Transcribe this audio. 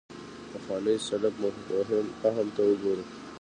پخوانو سلف فهم ته وګورو.